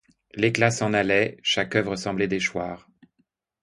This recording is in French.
L'éclat s'en allait, chaque oeuvre semblait déchoir.